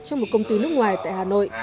trong một công ty nước ngoài tại hà nội